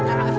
gua aja dah